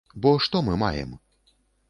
Бо што мы маем?